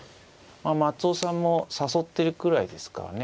松尾さんも誘ってるくらいですからね